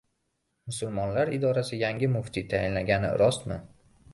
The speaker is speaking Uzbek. Musulmonlar idorasi yangi muftiy tayinlangani rostmi?